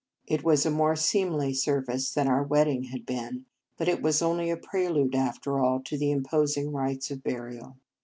It was a more seemly ser vice than our wedding had been, but it was only a prelude, after all, to the imposing rites of burial.